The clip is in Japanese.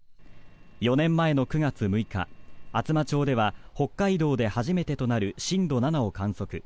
４年前の９月６日、厚真町では北海道で初めてとなる震度７を観測。